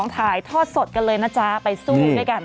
ถ่ายทอดสดกันเลยนะจ๊ะไปสู้ด้วยกัน